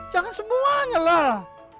jangan semuanya lah